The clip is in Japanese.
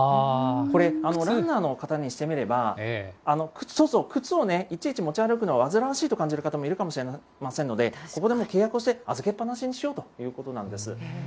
これ、ランナーの方にしてみれば、靴をいちいち持ち歩くのを煩わしいと感じる方もいらっしゃると思うので、ここでもう契約して預けっぱなしにしようということなんです。